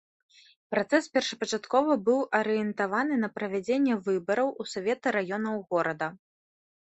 Працэс першапачаткова быў арыентаваны на правядзенне выбараў у саветы раёнаў горада.